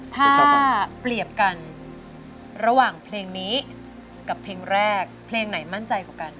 ถ้าเปรียบกันระหว่างเพลงนี้กับเพลงแรกเพลงไหนมั่นใจกว่ากัน